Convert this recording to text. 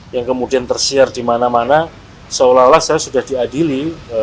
yang kemudian tersiar di mana mana seolah olah saya sudah diadili